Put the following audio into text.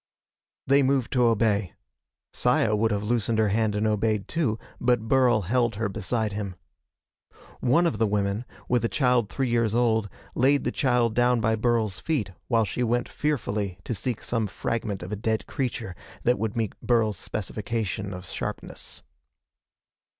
They moved to obey. Saya would have loosened her hand and obeyed, too, but Burl held her beside him. One of the women, with a child three years old, laid the child down by Burl's feet while she went fearfully to seek some fragment of a dead creature, that would meet Burl's specification of sharpness.